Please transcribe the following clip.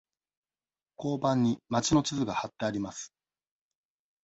交番に町の地図がはってあります。